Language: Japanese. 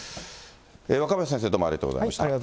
若林先生、どうもありがとうございました。